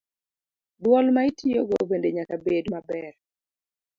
Dwol ma itiyogo bende nyaka bed maber.